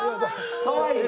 かわいい！